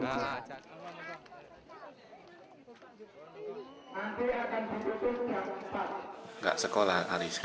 hai apa enggak kenapa aku enggak sekolah